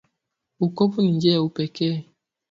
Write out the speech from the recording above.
Ukovu ni njia ya upekee